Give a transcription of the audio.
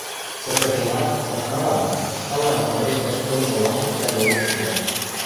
Сыкыржымат сасналан, ышкаллан падырештӓш кодымы лаштыквлӓ логӹц пуат.